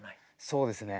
そうですね。